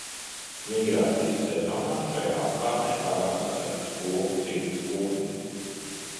Migrācijas sezonā šajā apkārtnē parādās arī sloku dzimtas putni.